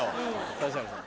指原さん。